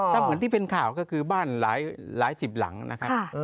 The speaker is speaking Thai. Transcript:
ถ้าเหมือนที่เป็นข่าวก็คือบ้านหลายสิบหลังนะครับ